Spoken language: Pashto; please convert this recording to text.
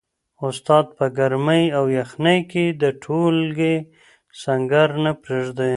استاد په ګرمۍ او یخنۍ کي د ټولګي سنګر نه پریږدي.